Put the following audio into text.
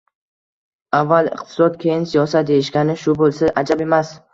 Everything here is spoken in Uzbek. Avval iqtisod, keyin siyosat deyishgani shu bo’lsa ajab emas